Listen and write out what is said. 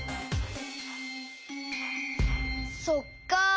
そっか。